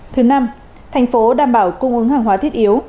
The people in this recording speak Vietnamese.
thứ năm tp hcm đảm bảo cung ứng hàng hóa thiết yếu